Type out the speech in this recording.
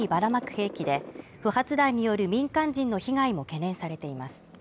兵器で不発弾による民間人の被害も懸念されています。